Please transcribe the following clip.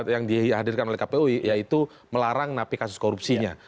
yaitu melarang napi kasus korupsinya